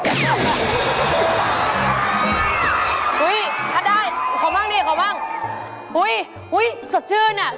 อุ๊ยถ้าได้ขอบ้างดีขอบ้าง